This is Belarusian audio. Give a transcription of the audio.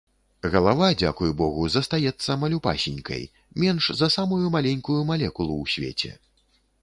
Галава — дзякуй Богу — застаецца малюпасенькай, меньш за самую маленькую малекулу ў свеце.